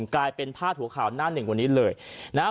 กลายเป็นพาดหัวข่าวหน้าหนึ่งวันนี้เลยนะฮะ